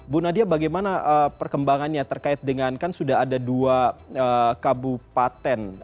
bu nadia bagaimana perkembangannya terkait dengan kan sudah ada dua kabupaten